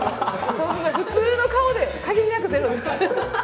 そんな普通の顔で「限りなくゼロです」。